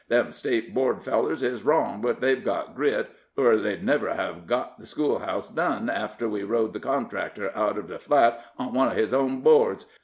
"Them State Board fellers is wrong, but they've got grit, ur they'd never hev got the schoolhouse done after we rode the contractor out uv the Flat on one of his own boards.